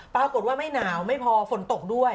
ปรากฏว่าไม่หนาวไม่พอฝนตกด้วย